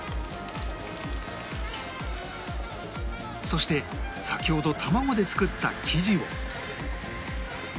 そして先ほど卵で作った生地を